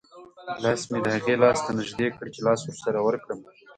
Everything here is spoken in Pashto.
لاس مې د هغې لاس ته نږدې کړ چې لاس ورسره ورکړم.